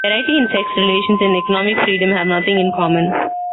Variety in sex relations and economic freedom have nothing in common.